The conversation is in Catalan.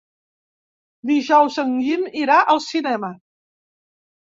Dijous en Guim irà al cinema.